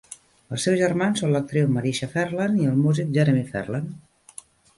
Els seus germans són l'actriu Marisha Ferland i el músic Jeremy Ferland.